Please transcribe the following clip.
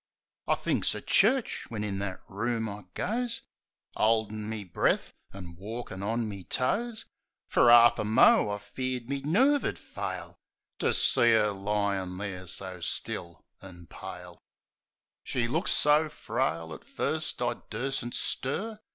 I thinks of church, when in that room I goes, 'Oldin' me breaf an' walkin' on me toes. Fer 'arf a mo' I feared me nerve 'ud fail To see 'er lying there so still an' pale. THE KID 105 She looks so frail, at first, I dursn't stir.